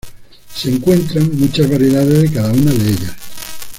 Se encuentran muchas variedades de cada una de ellas.